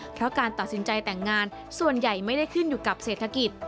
เพราะการตัดสินใจแต่งงานส่วนใหญ่ไม่ได้ขึ้นอยู่กับเศรษฐกิจ